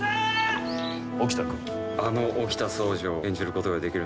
あの沖田総司を演じることができる。